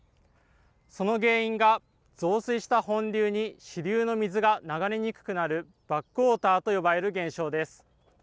その原因が、増水した本流に支流の水が流れにくくなるバックウォーターと呼ばれる現象です。